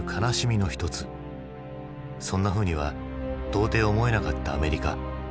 そんなふうには到底思えなかったアメリカ。